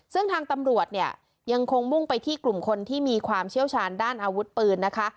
ซึ่งทางตำรวจเนี่ยยังคงมุ่งไปที่กลุ่มคนที่มีความเชี่ยวชาญด้านอาวุธปืนนะคะ